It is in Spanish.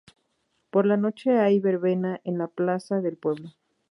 Por la noche hay verbena en la plaza del pueblo.